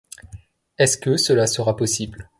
Est-ce que cela sera possible